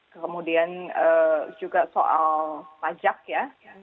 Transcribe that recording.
kemudian juga soal pajak ya